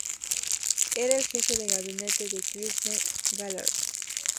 Era el jefe de gabinete de Christine Lagarde.